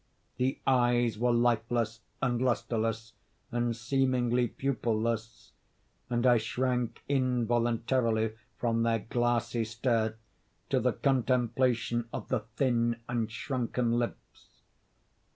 The eyes were lifeless, and lustreless, and seemingly pupilless, and I shrank involuntarily from their glassy stare to the contemplation of the thin and shrunken lips.